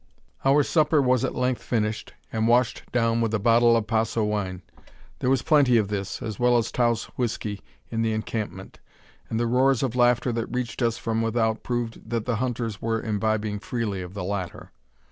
Our supper was at length finished, and washed down with a bottle of Paso wine. There was plenty of this, as well as Taos whisky in the encampment; and the roars of laughter that reached us from without proved that the hunters were imbibing freely of the latter.